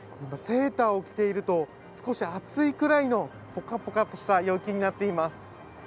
セーターを着ていると少し暑いくらいのポカポカとした陽気になっています。